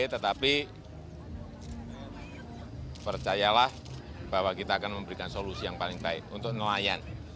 tetapi percayalah bahwa kita akan memberikan solusi yang paling baik untuk nelayan